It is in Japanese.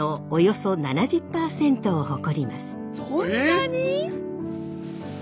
そんなに！？